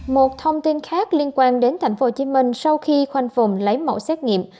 một thông tin khác liên quan đến tp hcm sau khi khoanh phùng lấy mẫu xét nghiệm